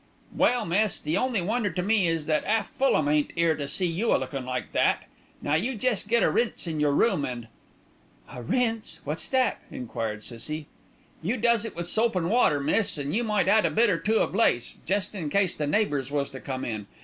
"Well, miss, the only wonder to me is that 'alf Fulham ain't 'ere to see you a lookin' like that. Now you jest get a rinse in your room an' " "A rinse, what's that?" enquired Cissie. "You does it with soap an' water, miss, an' you might add a bit or two of lace, jest in case the neighbours was to come in.